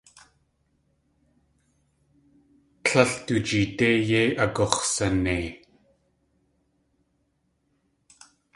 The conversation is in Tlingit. Tlél du jeedé yéi agux̲sanei.